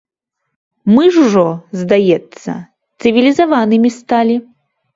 Мы ж ужо, здаецца, цывілізаванымі сталі.